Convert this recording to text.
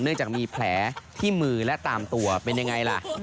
จากมีแผลที่มือและตามตัวเป็นยังไงล่ะ